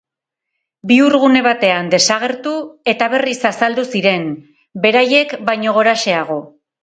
Bihurgune batean desagertu eta berriz azaldu ziren, beraiek baino goraxeago.